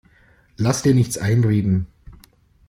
Lass dir nichts einreden!